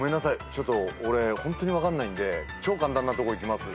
ちょっと俺ホントに分かんないんで超簡単なとこいきます。